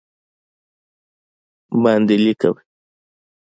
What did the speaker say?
باندې لېکمه